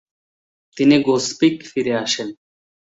তিনি গোসপিক ফিরে আসেন।